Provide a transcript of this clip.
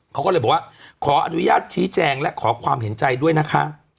เขาก็เลยบอกว่าขออนุญาตชี้แจงและขอความเห็นใจด้วยนะคะ